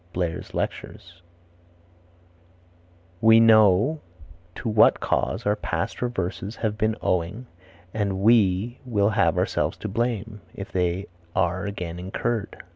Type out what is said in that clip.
Blair's Lectures. "We know to what cause our past reverses have been owing and we will have ourselves to blame, if they are again incurred."